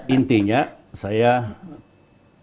intinya saya pemain foli